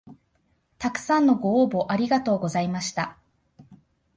たくさんのご応募ありがとうございました